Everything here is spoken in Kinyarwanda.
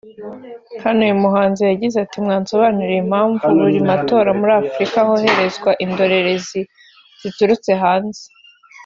hano uyu muhanzi yagize ati “Mwansobanurira impamvu buri matora muri Afurika hoherezwa indorerezi ziturutse hanze